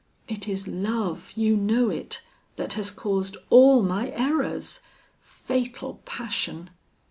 It is love, you know it, that has caused all my errors. Fatal passion!